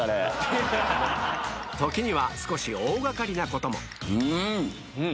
時には少し大掛かりなこともうん。